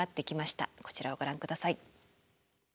こちらをご覧ください。